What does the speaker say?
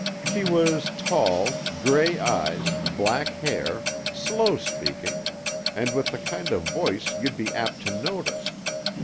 She was tall, gray eyes, black hair, slow speaking, and with the kind of voice you'd be apt to notice